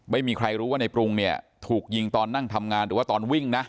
ไม่มีใครรู้ว่าในปรุงเนี่ยถูกยิงตอนนั่งทำงานหรือว่าตอนวิ่งนะ